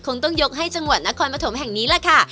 คงต้องยกให้จังหวัดนครปฐมแห่งนี้แหละค่ะ